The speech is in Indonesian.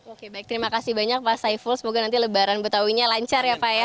oke baik terima kasih banyak pak saiful semoga nanti lebaran betawinya lancar ya pak ya